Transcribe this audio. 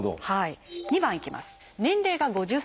２番いきます。